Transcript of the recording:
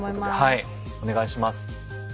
はいお願いします。